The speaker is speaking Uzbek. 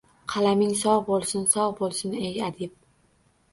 Qalaming sog’ bo’lsin, sog’ bo’l, ey adib!